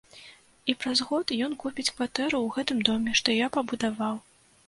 І праз год ён купіць кватэру ў гэтым доме, што я пабудаваў.